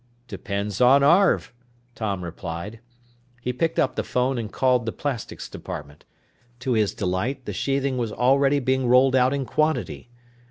"Depends on Arv," Tom replied. He picked up the phone and called the plastics department. To his delight, the sheathing was already being rolled out in quantity.